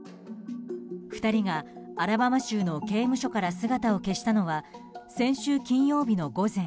２人がアラバマ州の刑務所から姿を消したのは先週金曜日の午前。